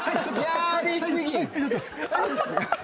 やりすぎ！